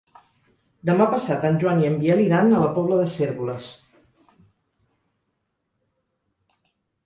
Demà passat en Joan i en Biel iran a la Pobla de Cérvoles.